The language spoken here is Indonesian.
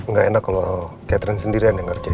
gak enak kalo catherine sendirian yang ngerjain